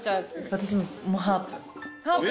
私もハープ。